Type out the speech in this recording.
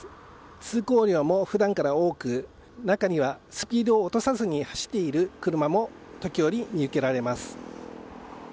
通行量も普段から多く中にはスピードを落とさずに走っている車も時折、見受けられます。